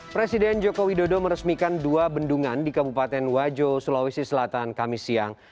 presiden joko widodo meresmikan dua bendungan di kabupaten wajo sulawesi selatan kamis siang